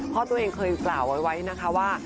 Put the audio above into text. เพราะตัวเองเคยกล่าวเอาไว้นะคะว่า